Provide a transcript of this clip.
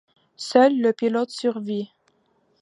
Seul le pilote survit.